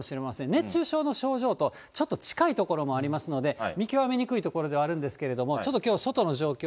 熱中症の症状とちょっと近いところもありますので、見極めにくいところではあるんですが、ちょっときょう、外の状況